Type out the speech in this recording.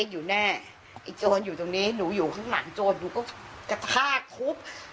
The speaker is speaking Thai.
อยู่แน่ไอ้โจรอยู่ตรงนี้หนูอยู่ข้างหลังโจรหนูก็กระชากทุบ